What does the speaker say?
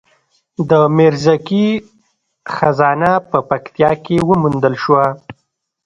د میرزکې خزانه په پکتیا کې وموندل شوه